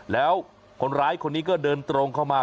แล้วคนร้ายคนนี้ก็เดินตรงเข้ามา